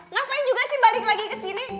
ngapain juga sih balik lagi kesini